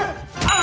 あ！